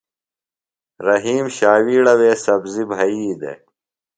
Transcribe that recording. رحیم ݜاوِیڑہ وے سبزیۡ بھیِئی دےۡ۔